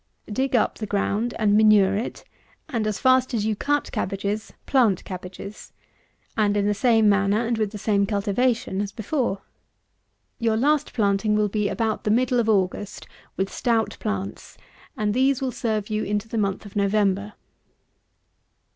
Dig up the ground and manure it, and, as fast as you cut cabbages, plant cabbages; and in the same manner and with the same cultivation as before. Your last planting will be about the middle of August, with stout plants, and these will serve you into the month of November.